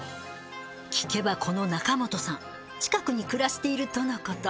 聞けばこの中元さん近くに暮らしているとのこと。